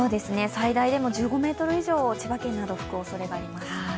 最大でも１５メートル以上千葉県、吹くおそれがあります。